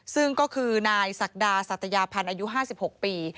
ซึ่งก็คือนายศักดาสัตยาพันธ์อายุ๕๖ปี